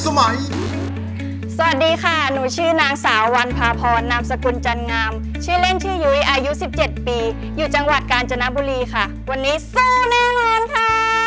สวัสดีค่ะหนูชื่อนางสาววันพาพรนามสกุลจันงามชื่อเล่นชื่อยุ้ยอายุสิบเจ็ดปีอยู่จังหวัดกาญจนบุรีค่ะวันนี้สู้แน่นอนค่ะ